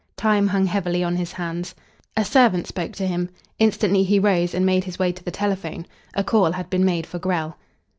Time hung heavily on his hands. A servant spoke to him. Instantly he rose and made his way to the telephone. A call had been made for Grell.